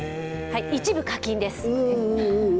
一部課金です。